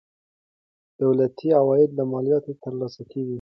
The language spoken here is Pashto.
دولتي عواید له مالیاتو ترلاسه کیږي.